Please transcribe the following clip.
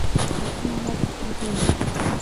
এখন আবার কী হল?